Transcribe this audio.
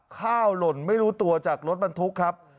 หล่นไม่รู้ตัวจากรถบรรทุกครับ